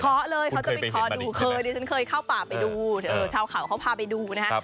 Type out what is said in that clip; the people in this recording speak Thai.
เขาจะไปขอดูเคยเคยเดี๋ยวชาวข่าวเขาพาไปดูนะฮะ